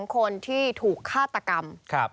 ๒คนที่ถูกฆาตกรรม